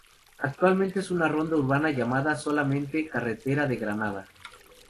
Actualmente es una ronda urbana llamada solamente Carretera de Granada.